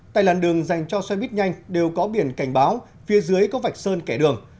tại làn đường dành cho xe buýt nhanh đều có biển cảnh báo phía dưới có vạch sơn kẻ đường